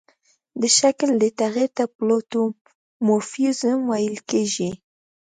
د شکل دې تغیر ته پلئومورفیزم ویل کیږي.